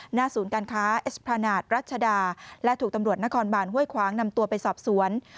หน้าศูนย์การค้าเอสพรานาทรัชดาและถูกตำรวจนครบานห้วยขวางนำตัวไปสอบสวน